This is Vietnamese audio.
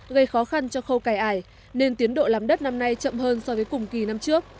gây khó khăn cho khâu cài ải nên tiến độ làm đất năm nay chậm hơn so với cùng kỳ năm trước